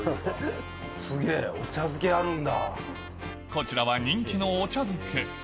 こちらは人気のお茶漬け